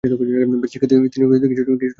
বেচারিকে তিনি কিছুটা হলেও আহত করেছেন।